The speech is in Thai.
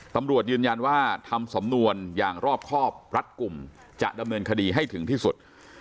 ตำรวจยืนยันว่าทำสำนวนอย่างรอบครอบรัดกลุ่มจะดำเนินคดีให้ถึงที่สุด